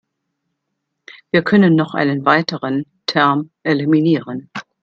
Wir können noch einen weiteren Term eliminieren.